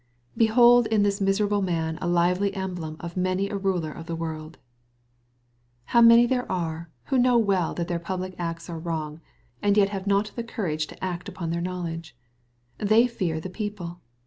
Behold in this miserable man a Kvely emblem of many a ruler of this world 1 How many there are, who know well that their public acts are wrong, and yet have not the courage to act up to their knowledge. They fear th« people